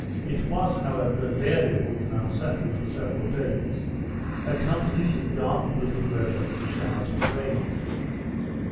It was, however, variable and unsettled for several days, accompanied with dark gloomy weather, and showers of rain.